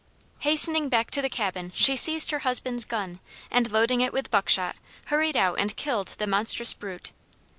Hastening back to the cabin she seized her husband's gun, and loading it with buckshot, hurried out and killed the monstrous brute.